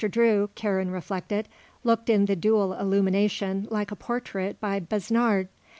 Drew, Karen reflected, looked in the dual illumination like a portrait by Besnard.